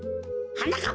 はなかっ